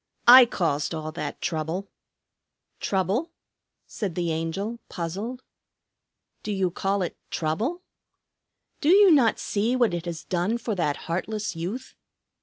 I caused all that trouble." "Trouble?" said the Angel, puzzled. "Do you call it trouble? Do you not see what it has done for that heartless youth?